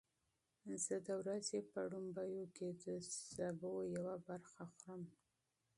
زه د ورځې په لومړیو کې د سبو یوه برخه خورم.